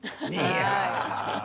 いや。